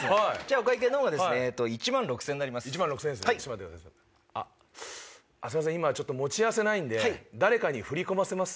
お会計のほうが１万６０００円になります。